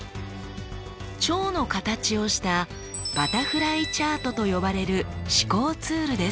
蝶の形をしたバタフライチャートと呼ばれる思考ツールです。